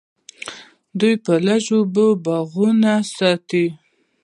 دوی په لږو اوبو باغونه ساتي.